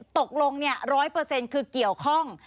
ตกลง๑๐๐คือเกี่ยวข้อง